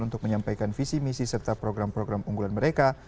untuk menyampaikan visi misi serta program program unggulan mereka